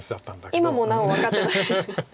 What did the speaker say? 今もなお分かってない。